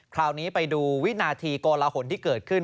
คราวนี้ไปดูวินาทีโกลหนที่เกิดขึ้น